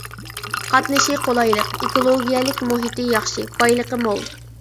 قاتنىشى قولايلىق، ئېكولوگىيەلىك مۇھىتى ياخشى، بايلىقى مول.